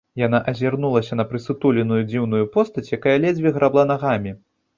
Яна азірнулася на прысутуленую дзіўную постаць, якая ледзьве грабла нагамі.